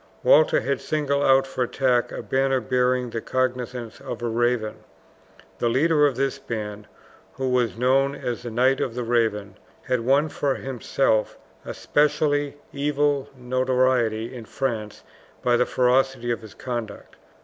Walter had singled out for attack a banner bearing the cognizance of a raven. The leader of this band, who was known as the Knight of the Raven, had won for himself a specially evil notoriety in France by the ferocity of his conduct.